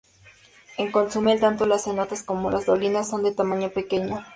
En Cozumel tanto los cenotes como las dolinas son de tamaño pequeño.